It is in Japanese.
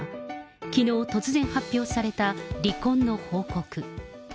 きのう、突然発表された離婚の報告。